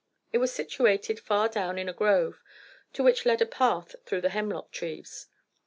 It was situated far down in a grove, to which led a path through the hemlock trees.